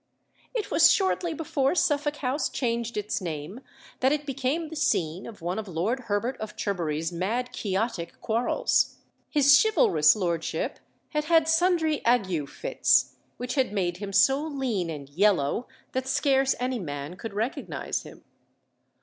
It was shortly before Suffolk House changed its name that it became the scene of one of Lord Herbert of Cherbury's mad Quixotic quarrels. His chivalrous lordship had had sundry ague fits, which had made him so lean and yellow that scarce any man could recognise him.